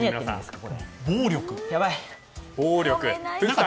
暴力？